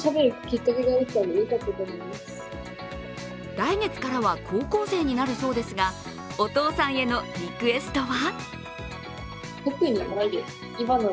来月からは高校生になるそうですがお父さんへのリクエストは？